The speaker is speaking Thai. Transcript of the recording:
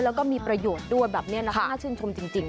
แล้วก็มีประโยชน์ด้วยแบบนี้นะครับชื่นชมจริงนะครับ